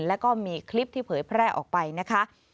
แล้วก็มีคลิปที่เผยแพร่ออกไปนะคะ